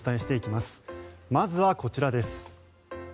まずはこちらです。